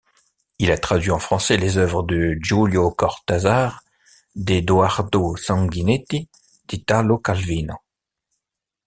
Il a traduit en français les œuvres de Julio Cortázar, d'Edoardo Sanguineti, d'Italo Calvino.